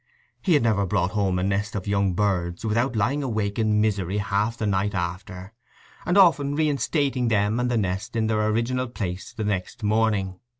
He had never brought home a nest of young birds without lying awake in misery half the night after, and often reinstating them and the nest in their original place the next morning.